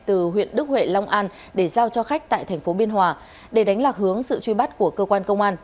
từ huyện đức huệ long an để giao cho khách tại thành phố biên hòa để đánh lạc hướng sự truy bắt của cơ quan công an